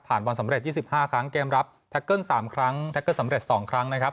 วันสำเร็จ๒๕ครั้งเกมรับแท็กเกิ้ล๓ครั้งแท็กเกิ้สำเร็จ๒ครั้งนะครับ